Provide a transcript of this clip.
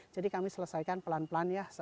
jadi kami selesaikan pelan pelan ya